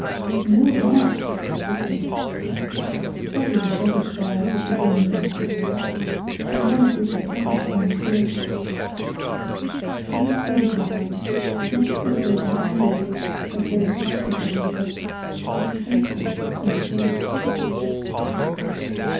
'No heart!' said he. 'That is a very heavy charge which you bring against yourself, and one of which I cannot find you guilty ' She withdrew her hand, not quickly and angrily, as though insulted by his touch, but gently and slowly.